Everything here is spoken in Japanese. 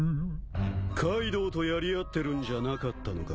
カイドウとやり合ってるんじゃなかったのか？